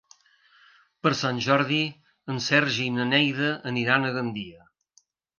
Per Sant Jordi en Sergi i na Neida aniran a Gandia.